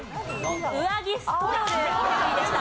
上着ストール９位でした。